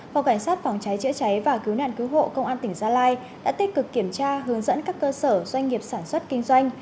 phòng cảnh sát phòng cháy chữa cháy và cứu nạn cứu hộ công an tỉnh gia lai đã tích cực kiểm tra hướng dẫn các cơ sở doanh nghiệp sản xuất kinh doanh